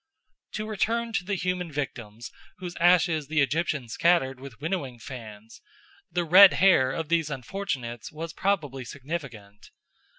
To return to the human victims whose ashes the Egyptians scattered with winnowing fans, the red hair of these unfortunates was probably significant.